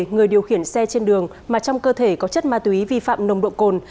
người điều khiển xe trên đường mà trong cơ thể có chất ma túy vi phạm nồng độ cồn